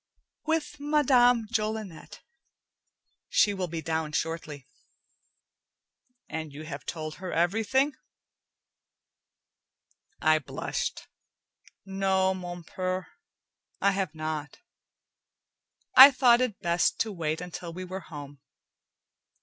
"With Madame Jolinet. She will be down shortly." "And you have told her everything?" I blushed. "No, mon purr, I have not. I thought it best to wait until we were home.